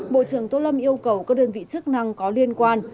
bộ trưởng tô lâm yêu cầu các đơn vị chức năng có liên quan